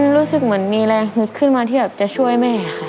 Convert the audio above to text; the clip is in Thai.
รู้สึกเหมือนมีแรงฮึดขึ้นมาที่แบบจะช่วยแม่ค่ะ